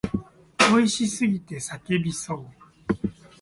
美味しすぎて叫びそう。